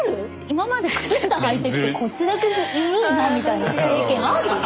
今まで靴下はいてきてこっちだけ緩いなみたいな経験ある？